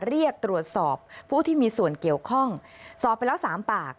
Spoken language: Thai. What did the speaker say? เรียกตรวจสอบผู้ที่มีส่วนเกี่ยวข้องสอบไปแล้ว๓ปาก